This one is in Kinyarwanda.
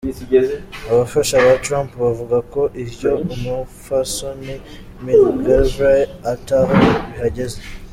Abafasha ba Trump bavuga ko ivyo umupfasoni McGillivray ata ho bihagaze.